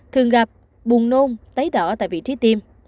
thường gặp buồn nôn tấy đỏ tại vị trí tiêm